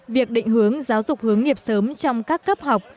việc định hướng giáo dục hướng nghiệp sớm trong các cấp học